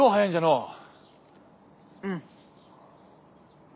うん。